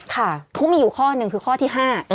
ทุกมีอยู่ข้อหนึ่งคือข้อที่๕